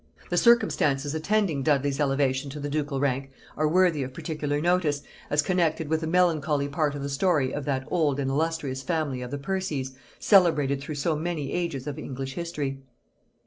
The circumstances attending Dudley's elevation to the ducal rank are worthy of particular notice, as connected with a melancholy part of the story of that old and illustrious family of the Percies, celebrated through so many ages of English history.